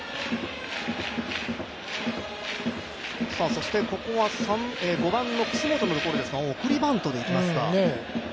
そしてここは５番の楠本のところですが送りバントでいきますか。